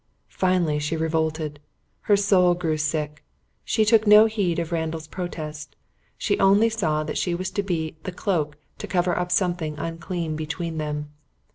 Finally she revolted. Her soul grew sick. She took no heed of Randall's protest. She only saw that she was to be the cloak to cover up something unclean between them.